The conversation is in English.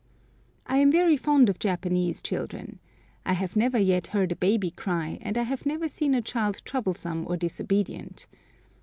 I am very fond of Japanese children. I have never yet heard a baby cry, and I have never seen a child troublesome or disobedient.